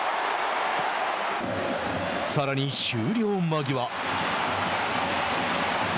さらに終了間際。